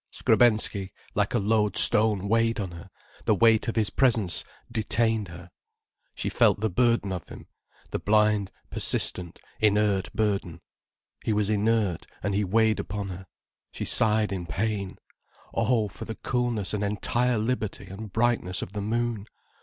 Skrebensky, like a load stone weighed on her, the weight of his presence detained her. She felt the burden of him, the blind, persistent, inert burden. He was inert, and he weighed upon her. She sighed in pain. Oh, for the coolness and entire liberty and brightness of the moon.